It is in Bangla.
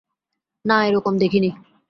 না, এরকম দেখিনি।